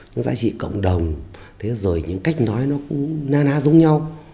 những giá trị cộng đồng thế rồi những cách nói nó cũng na ná giống nhau